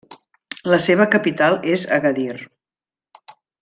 La seva capital és Agadir.